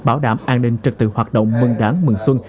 bảo đảm an ninh trực tự hoạt động mừng đảng mừng xuân